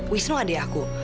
wisnu adik aku